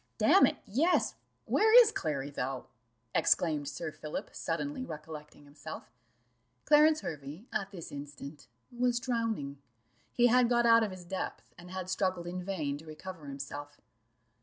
"Damn it, yes where is Clary, though?" exclaimed Sir Philip, suddenly recollecting himself. Clarence Hervey at this instant was drowning: he had got out of his depth, and had struggled in vain to recover himself.